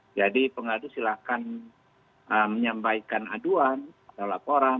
jadi pengadu silahkan menyampaikan aduan atau laporan